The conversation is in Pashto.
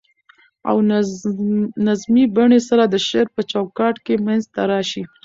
او نظمي بڼې سره د شعر په چو کاټ کي منځ ته راشي.